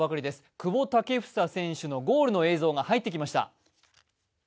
久保建英選手のゴールの映像が入ってきました。